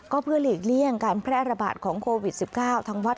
ก็เพื่อหลีกเลี่ยงการแพร่ระบาดของโควิด๑๙ทางวัด